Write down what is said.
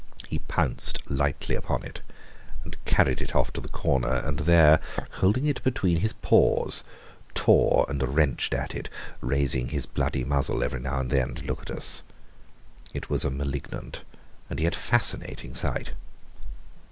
He pounced lightly upon it, carried it off to the corner, and there, holding it between his paws, tore and wrenched at it, raising his bloody muzzle every now and then to look at us. It was a malignant and yet fascinating sight.